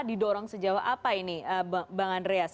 didorong sejauh apa ini bang andreas